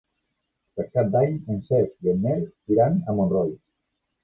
Per Cap d'Any en Cesc i en Nel iran a Montroi.